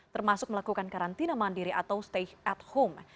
termasuk melakukan karantina mandiri atau stay at home